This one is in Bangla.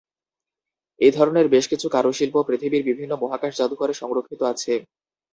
এই ধরনের বেশ কিছু কারুশিল্প পৃথিবীর বিভিন্ন মহাকাশ জাদুঘরে সংরক্ষিত আছে।